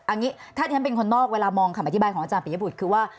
อันนี้ถ้าที่ฉันเป็นคนนอกเวลามองคำอธิบายของอาจารย์ปียบุตรคือว่า